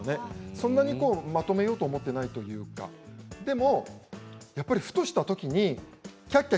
そんなにまとめようと思っていないというかでも、やっぱりふとした時にきゃきゃ